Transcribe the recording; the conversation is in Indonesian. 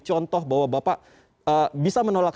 contoh bahwa bapak bisa menolak